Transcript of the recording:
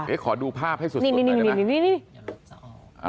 เอ๊ะขอดูภาพให้สุดสุดหน่อยนะ